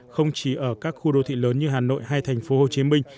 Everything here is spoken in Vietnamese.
không chỉ ở các khu đô thị lớn như hà nội hay thành phố hồ chí minh